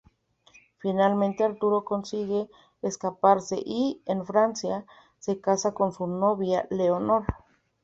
Finalmente, Arturo consigue escaparse y, en Francia, se casa con su novia Leonor.